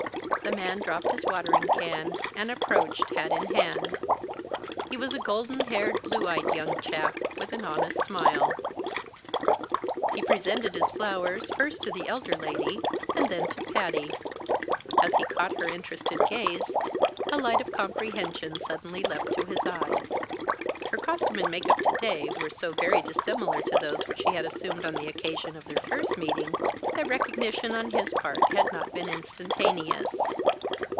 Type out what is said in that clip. The man dropped his watering can, and approached, hat in hand. He was a golden haired, blue eyed young chap with an honest smile. He presented his flowers, first to the elder lady and then to Patty. As he caught her interested gaze, a light of comprehension suddenly leaped to his eyes. Her costume and make up to day were so very dissimilar to those which she had assumed on the occasion of their first meeting, that recognition on his part had not been instantaneous.